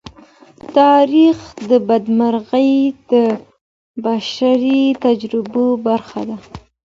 تاریخي بدمرغۍ د بشري تجربو برخه ده.